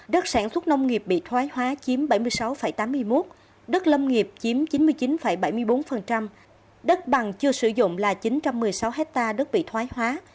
đất sản xuất nông nghiệp bị thoái hóa chiếm bảy mươi sáu tám mươi một đất lâm nghiệp chiếm chín mươi chín bảy mươi bốn đất bằng chưa sử dụng là chín trăm một mươi sáu hectare đất bị thoái hóa